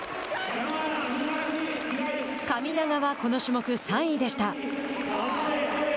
神長は、この種目３位でした。